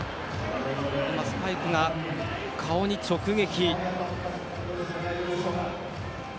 今、スパイクが顔に直撃。